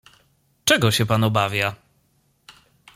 "Czego się pan obawia?"